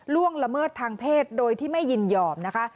ล่วงละเมิดทางเพศโดยที่ไม่ยินยอมนะคะ